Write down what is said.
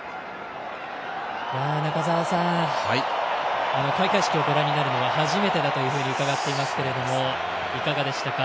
中澤さん、開会式をご覧になるの初めてだと伺っていますけれどもいかがでしたか？